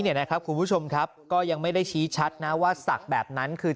เนี่ยนะครับคุณผู้ชมครับก็ยังไม่ได้ชี้ชัดนะว่าศักดิ์แบบนั้นคือ